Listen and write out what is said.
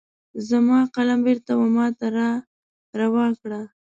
زما قلم بیرته وماته را روا کړه